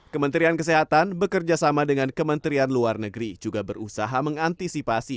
kementerian kesehatan bekerjasama dengan kementerian luar negeri juga berusaha mengantisipasi